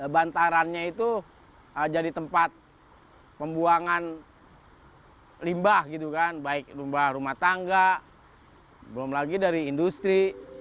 bantarannya itu jadi tempat pembuangan limbah gitu kan baik limbah rumah tangga belum lagi dari industri